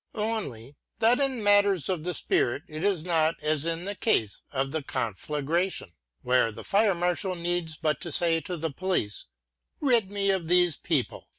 Only, that in matters of the spirit it is not as in the case of the conflagration, where the fire marshal needs but to say to the police: rid me of these people!